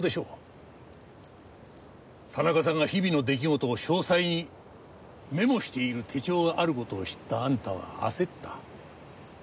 田中さんが日々の出来事を詳細にメモしている手帳がある事を知ったあんたは焦った。